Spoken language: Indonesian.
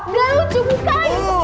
gak lucu bukanya